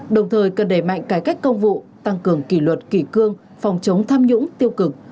đồng thời cần đẩy mạnh cải cách công vụ tăng cường kỷ luật kỷ cương phòng chống tham nhũng tiêu cực